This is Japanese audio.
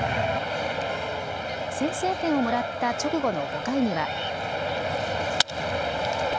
先制点をもらった直後の５回には。